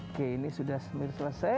oke ini sudah selesai